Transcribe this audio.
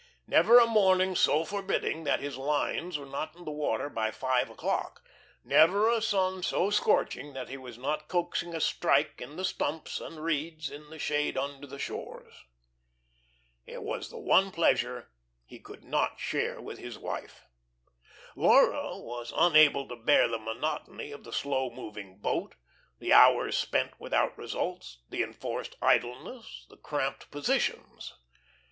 Never a morning so forbidding that his lines were not in the water by five o'clock; never a sun so scorching that he was not coaxing a "strike" in the stumps and reeds in the shade under the shores. It was the one pleasure he could not share with his wife. Laura was unable to bear the monotony of the slow moving boat, the hours spent without results, the enforced idleness, the cramped positions.